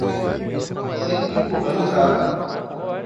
Sempre empurrando o carro